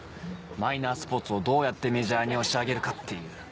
マイナースポーツをどうやってメジャーに押し上げるかっていう。